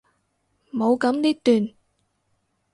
冇噉呢段！